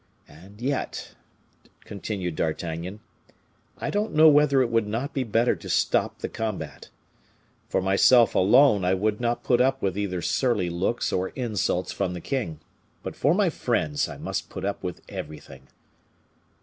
And yet," continued D'Artagnan, "I don't know whether it would not be better to stop the combat. For myself alone I will not put up with either surly looks or insults from the king; but for my friends I must put up with everything.